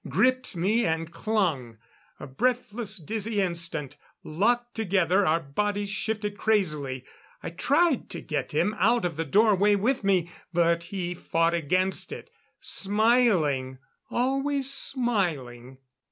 Gripped me and clung. A breathless, dizzy instant. Locked together, our bodies shifted crazily. I tried to get him out the doorway with me, but he fought against it.... Smiling always smiling....